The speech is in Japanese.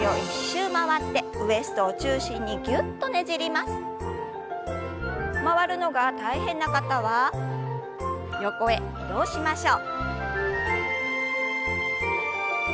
回るのが大変な方は横へ移動しましょう。